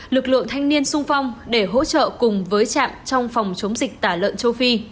lực lượng thanh niên sung phong để hỗ trợ cùng với trạm trong phòng chống dịch tả lợn châu phi